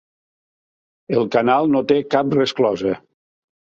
El canal no té cap resclosa.